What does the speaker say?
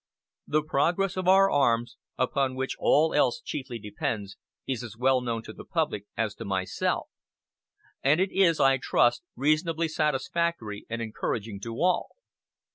The progress of our arms, upon which all else chiefly depends, is as well known to the public as to myself; and it is, I trust, reasonably satisfactory and encouraging to all.